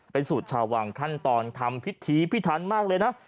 เป็นสูตรชาววังขั้นตอนทำพิธีพิทันมากเลยนะ